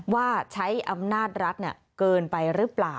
ว่าใช้อำนาจรัฐเกินไปหรือเปล่า